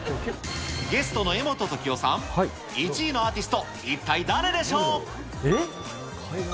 ゲストの柄本時生さん、１位のアーティスト、一体誰でしょう。